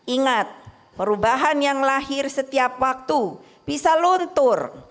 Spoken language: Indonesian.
ingat perubahan yang lahir setiap waktu bisa luntur